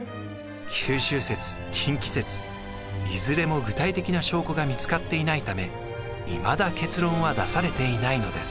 九州説近畿説いずれも具体的な証拠が見つかっていないためいまだ結論は出されていないのです。